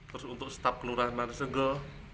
terus untuk staf kelurahan manis renggau